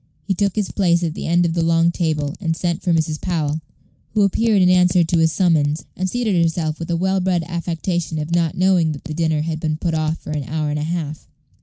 He took his place at the end of the long table, and sent for Mrs. Powell, who appeared in answer to his summons, and seated herself with a well bred affectation of not knowing that the dinner had been put off for an hour and a half.